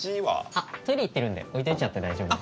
あっトイレ行ってるんで置いといちゃって大丈夫です。